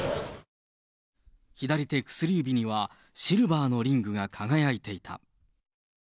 左手薬指にはシルバーのリングが輝いていた。